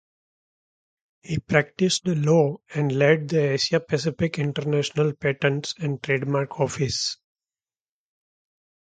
He practiced law and led the Asia Pacific International Patents and Trademark Office.